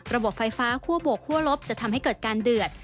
ไฟฟ้าคั่วบวกคั่วลบจะทำให้เกิดการเดือด